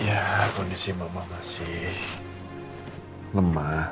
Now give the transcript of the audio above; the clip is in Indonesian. ya kondisi mama masih lemah